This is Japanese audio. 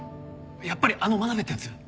やっぱりあの真鍋って奴？